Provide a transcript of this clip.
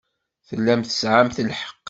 Tellamt tesɛamt lḥeqq.